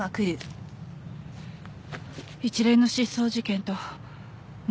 一連の失踪事件と元